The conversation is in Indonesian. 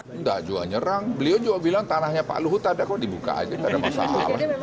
tidak jual nyerang beliau juga bilang tanahnya pak luhut ada kok dibuka aja tidak ada masalah